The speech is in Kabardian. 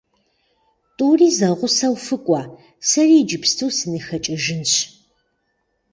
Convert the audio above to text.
ТӀури зэгъусэу фыкӀуэ, сэри иджыпсту сыныхэкӀыжынщ.